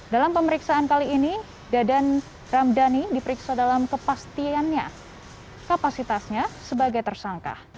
dalam pemeriksaan kali ini dadan ramdhani diperiksa dalam kepastiannya kapasitasnya sebagai tersangka